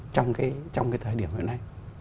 trong cái thời điểm hiện nay